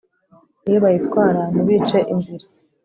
iyo bayitwara ntibice inzira